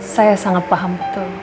saya sangat paham betul